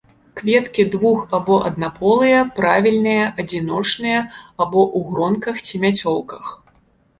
Кветкі двух- або аднаполыя, правільныя, адзіночныя або ў гронках ці мяцёлках.